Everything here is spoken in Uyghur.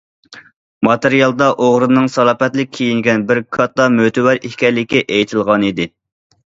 ماتېرىيالدا ئوغرىنىڭ سالاپەتلىك كىيىنگەن بىر كاتتا مۆتىۋەر ئىكەنلىكى ئېيتىلغانىدى.